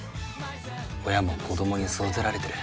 親も子どもに育てられてる。